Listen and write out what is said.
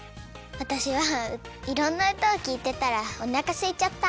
わたしはいろんなうたをきいてたらおなかすいちゃった。